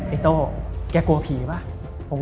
ไอ้โต๊ะแกกลัวผีหรือเปล่า